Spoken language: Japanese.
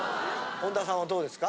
本田さんはどうですか？